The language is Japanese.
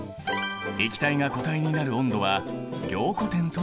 液体が固体になる温度は凝固点という。